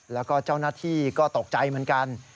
แล้วก็เจ้าหน้าที่ก็ตกใจเหมือนกัน